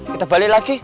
kita balik lagi